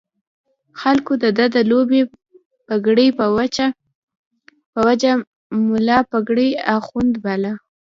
خلکو د ده د لویې پګړۍ په وجه ملا پګړۍ اخُند باله.